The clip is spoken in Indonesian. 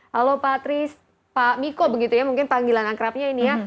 halo pak tris pak miko begitu ya mungkin panggilan akrabnya ini ya